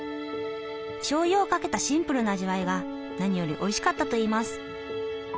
しょうゆをかけたシンプルな味わいが何よりおいしかったといいます。